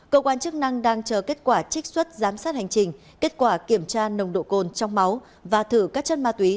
cơ quan chức năng đang chờ kết quả trích xuất giám sát hành trình kết quả kiểm tra nồng độ cồn trong máu và thử các chân ma túy